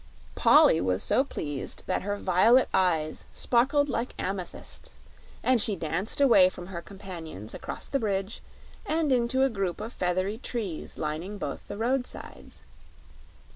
Polly was so pleased that her violet eyes sparkled like amethysts, and she danced away from her companions across the bridge and into a group of feathery trees lining both the roadsides.